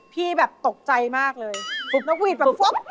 พี่แบบตกใจมากเลยนกหวีดปุ๊บเลย